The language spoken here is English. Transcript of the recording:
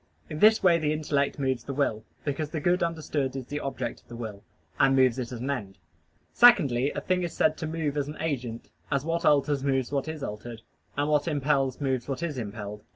In this way the intellect moves the will, because the good understood is the object of the will, and moves it as an end. Secondly, a thing is said to move as an agent, as what alters moves what is altered, and what impels moves what is impelled.